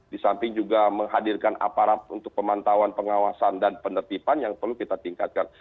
di samping juga menghadirkan aparat untuk pemantauan pengawasan dan penertiban yang perlu kita tingkatkan